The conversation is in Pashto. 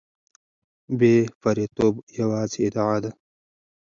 بې پرېتوب یوازې ادعا ده.